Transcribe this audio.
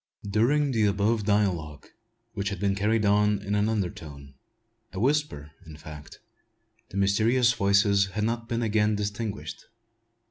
During the above dialogue, which had been carried on in an undertone, a whisper, in fact, the mysterious voices had not been again distinguished.